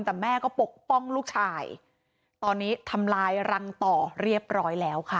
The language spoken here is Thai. แต่แม่ก็ปกป้องลูกชายตอนนี้ทำลายรังต่อเรียบร้อยแล้วค่ะ